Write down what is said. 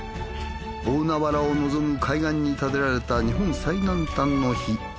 大海原を望む海岸に建てられた日本最南端の碑。